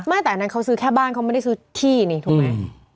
ไม่แต่อันนั้นเขาซื้อแค่บ้านเขาไม่ได้ซื้อที่นี่ถูกไหม